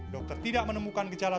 dokter tidak menemukan gejala